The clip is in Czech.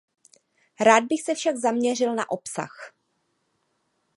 Rád bych se však zaměřil na obsah.